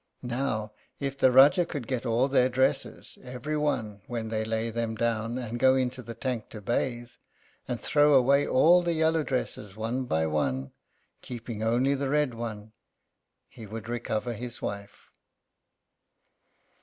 Now, if the Rájá could get all their dresses, every one, when they lay them down and go into the tank to bathe, and throw away all the yellow dresses one by one, keeping only the red one, he would recover his wife."